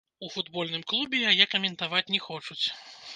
У футбольным клубе яе каментаваць не хочуць.